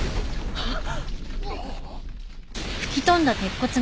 あっ！